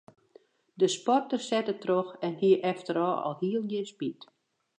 De sporter sette troch en hie efterôf alhiel gjin spyt.